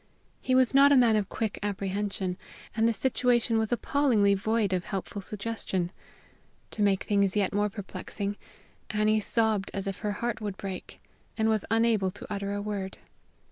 He was not a man of quick apprehension, and the situation was appallingly void of helpful suggestion. To make things yet more perplexing, Annie sobbed as if her heart would break, and was unable to utter a word.